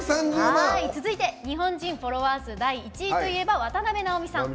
続いて、日本人フォロワー数第１位といえば渡辺直美さん。